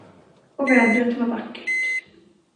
Och vädret var vackert.